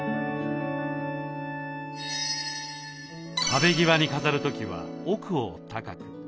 壁際に飾る時は奥を高く。